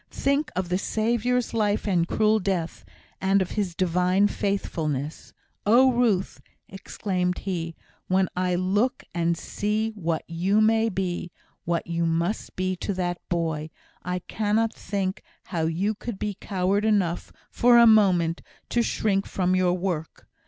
think of the Saviour's life and cruel death, and of His divine faithfulness. Oh, Ruth!" exclaimed he, "when I look and see what you may be what you must be to that boy, I cannot think how you could be coward enough, for a moment, to shrink from your work!